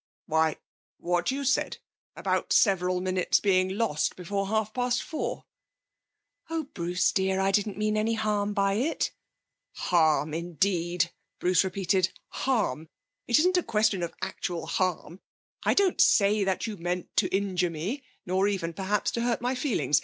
'Why ... what you said. About several minutes being lost before half past four.' 'Oh, Bruce dear, I didn't mean any harm by it.' 'Harm, indeed!' repeated Bruce. 'Harm! It isn't a question of actual harm. I don't say that you meant to injure me, nor even, perhaps, to hurt my feelings.